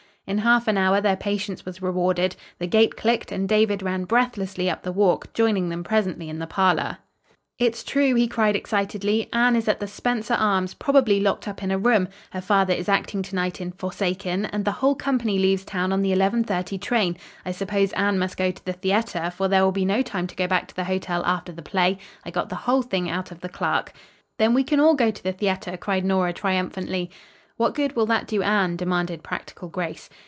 In half an hour their patience was rewarded; the gate clicked and David ran breathlessly up the walk, joining them presently in the parlor. "It's true," he cried excitedly. "Anne is at the Spencer Arms, probably locked up in a room. Her father is acting to night in 'Forsaken,' and the whole company leaves town on the 11.30 train. I suppose Anne must go to the theater, for there will be no time to go back to the hotel after the play. I got the whole thing out of the clerk." "Then we can all go to the theater," cried Nora triumphantly. "What good will that do Anne?" demanded practical Grace.